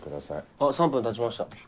あっ３分たちました。